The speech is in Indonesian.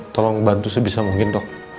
tolong bantu sebisa mungkin dok